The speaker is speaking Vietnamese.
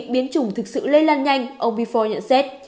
biến chủng thực sự lây lan nhanh ông bifo nhận xét